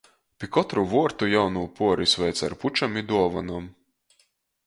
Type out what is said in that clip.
Pi kotru vuortu jaunū puori sveic ar pučem i duovonom.